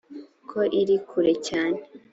ko iri kure cyane